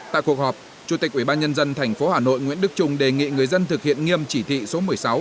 tại cuộc họp chủ tịch ubnd tp hà nội nguyễn đức trung đề nghị người dân thực hiện nghiêm chỉ thị số một mươi sáu